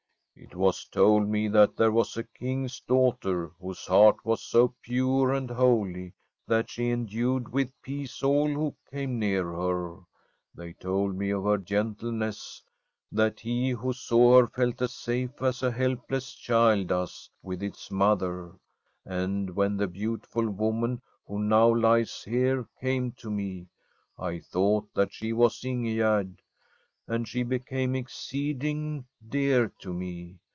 ' It was told me that there was a King's daughter whose heart was so pure and holy that she endued with peace all who came near her. They told me of her gentleness, that he who saw her felt as safe as a helpless child does with its mother, and when the beautiful woman who now lies here came to me, I thought that she was Ingegerd, and she became exceeding dear to me.